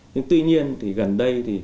nhưng tuy nhiên thì gần đây